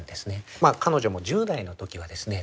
彼女も１０代の時はですね